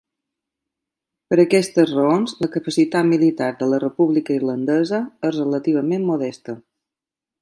Per aquestes raons, la capacitat militar de la República irlandesa és relativament modesta.